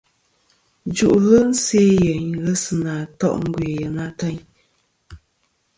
Jù'lɨ se' yeyn ghesɨna to' ngœ yèyn ateyn.